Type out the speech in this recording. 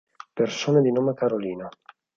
Persone di nome Carolina